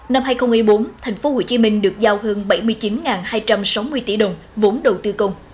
năm hai nghìn một mươi bốn tp hcm được giao hơn bảy mươi chín hai trăm sáu mươi tỷ đồng vốn đầu tư công